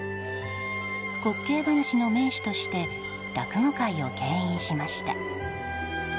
滑稽話の名手として落語界を牽引しました。